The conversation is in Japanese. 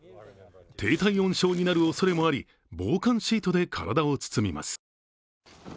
低体温症になるおそれもあり防寒シートで体を包みます。